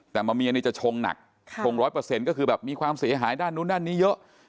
แต่มะเมียนี่จะชงหนักชง๑๐๐ก็คือแบบมีความเสียหายด้านนู้นด้านนี้เยอะ